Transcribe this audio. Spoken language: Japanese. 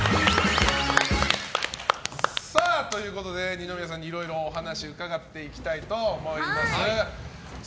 二宮さんにいろいろお話を伺っていきたいと思います。